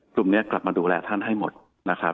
กลุ่มนี้กลับมาดูแลท่านให้หมดนะครับ